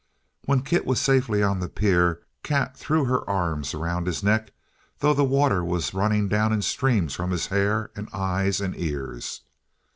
When Kit was safely on the pier, Kat threw her arms around his neck, though the water was running down in streams from his hair and eyes and ears.